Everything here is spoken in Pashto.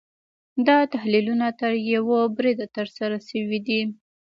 دا تحلیلونه تر یوه بریده ترسره شوي دي.